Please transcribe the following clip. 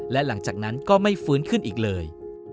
และหลังจากนั้นก็ไม่ฟื้นขึ้นอีกเลย